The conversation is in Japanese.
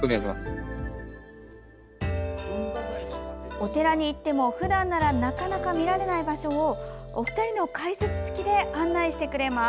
お寺に行ってもふだんならなかなか見られない場所をお二人の解説付きで案内してくれます。